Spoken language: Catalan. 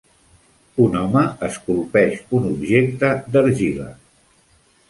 Un home esculpeix un objecte d'argila.